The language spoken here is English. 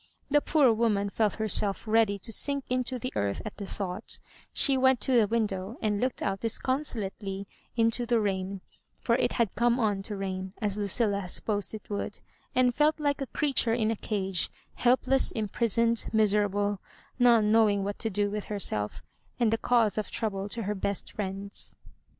The poor woman felt herself ready to sink into the earth at the thought She went to the window and looked out disconsolately into the rain — ^for it had come on to rain, as Lacil la supposed it would — ^and felt like a crea ture in a cage, helpless, imprisoned, miserable, not knowing what to do with herself and the cause of trouble to her best friends.